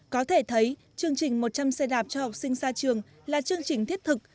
có thể thấy chương trình một trăm linh xe đạp cho học sinh ra trường là chương trình thiết thực